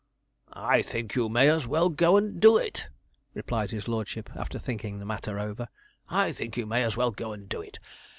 'I think you may as well go and do it,' replied his lordship, after thinking the matter over; 'I think you may as well go and do it.